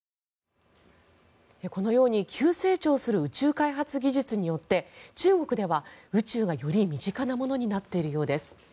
このように急成長する宇宙開発技術によって中国では宇宙がより身近なものになっているようです。